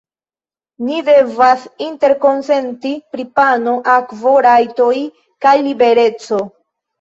Ni devas interkonsenti pri pano, akvo, rajtoj kaj libereco.